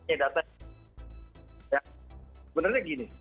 eh data yang sebenarnya gini